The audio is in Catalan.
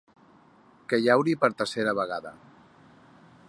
Que llauri per tercera vegada.